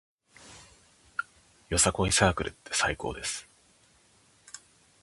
よさこいサークルって最高です